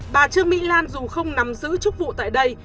bà trương my lan dù không nằm giữ chức vụ tại đây